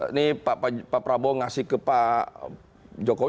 ini pak prabowo ngasih ke pak jokowi